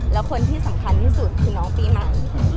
แล้วคนที่สำคัญที่สุดคือน้องปีใหม่